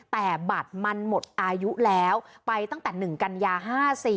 แต่บัตรมันหมดอายุแล้วไปตั้งแต่๑กันยา๕๔